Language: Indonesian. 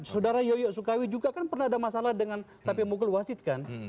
saudara yoyo sukawi juga kan pernah ada masalah dengan sapi mukul wasid kan